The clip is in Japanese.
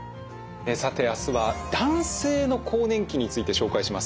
さて明日は男性の更年期について紹介します。